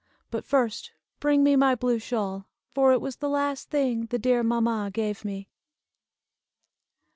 But first bring me my blue shawl, for it was the last thing the dear mamma gave me."